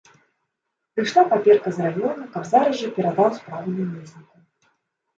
Прыйшла паперка з раёна, каб зараз жа перадаў справы намесніку.